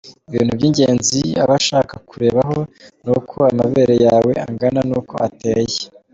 Ibintu by’ingenzi aba ashaka kurebaho ni uko amabere yawe angana, nuko ateye.